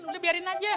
udah biarin aja